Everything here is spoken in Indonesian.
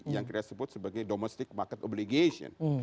yang kita sebut sebagai domestic market obligation